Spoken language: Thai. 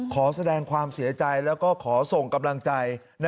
ขอแสดงความเสียใจแล้วก็ขอส่งกำลังใจ